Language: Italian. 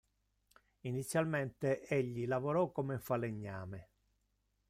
Inizialmente egli lavorò come falegname.